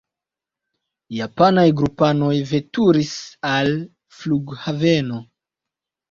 Japanaj grupanoj veturis al flughaveno.